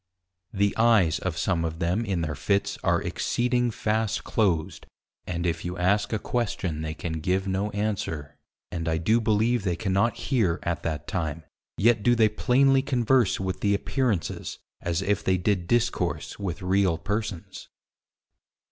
The eyes of some of them in their fits are exceeding fast closed, and if you ask a question they can give no answer, and I do believe they cannot hear at that time, yet do they plainely converse with the Appearances, as if they did discourse with real persons.